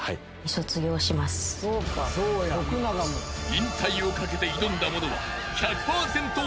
［引退をかけて挑んだ者は］